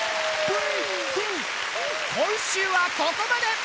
今週はここまで！